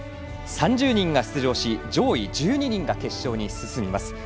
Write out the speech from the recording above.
３０人が出場し上位１２人が決勝に進みます。